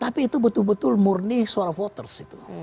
tapi itu betul betul murni suara voters